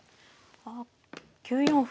あ９四歩。